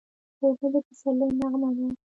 اوبه د پسرلي نغمه ده.